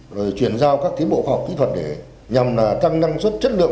rồi chuyển giao các tiến bộ khoa học kỹ thuật để nhằm tăng năng suất chất lượng